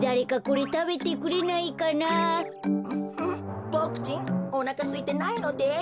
うボクちんおなかすいてないのです。